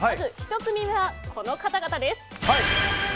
１組目はこの方々です。